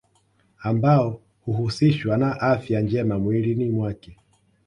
Ambao huhusishwa na afya njema mwilini mwake